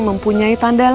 mempunyai tanda lahir